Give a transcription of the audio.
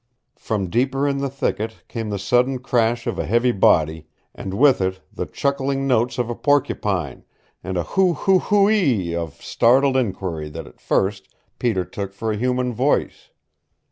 From deeper in the thicket came the sudden crash of a heavy body, and with it the chuckling notes of a porcupine, and a HOO HOO HOO EE of startled inquiry that at first Peter took for a human voice.